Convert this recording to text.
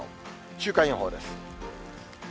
週間予報です。